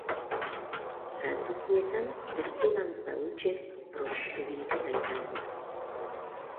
Saltokietan testigantza hutsezko produktu bilketa izango da.